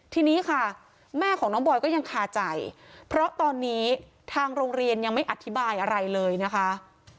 ทีนี้ค่ะแม่ของน้องบอยก็ยังคาใจเพราะตอนนี้ทางโรงเรียนยังไม่อธิบายอะไรเลยนะคะ